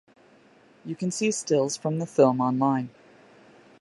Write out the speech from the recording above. You can see stills from the film online.